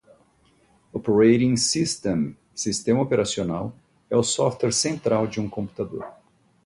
Operating System (Sistema Operacional) é o software central de um computador.